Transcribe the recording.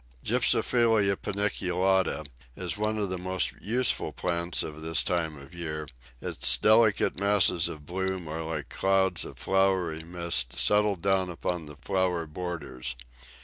Gypsophila paniculata is one of the most useful plants of this time of year; its delicate masses of bloom are like clouds of flowery mist settled down upon the flower borders.